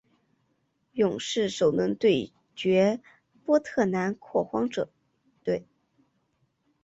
勇士首轮对决波特兰拓荒者队。